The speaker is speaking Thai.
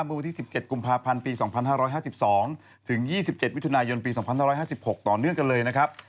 เมื่อวันที่๑๗กุมภาพันธ์ปี๒๕๕๒ถึง๒๗มิถุนายนปี๒๕๕๖ต่อเนื่องกันเลยนะครับ